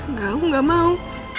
enggak aku gak mau